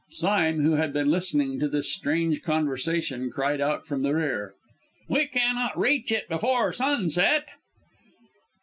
Sime, who had been listening to this strange conversation, cried out from the rear: "We cannot reach it before sunset!"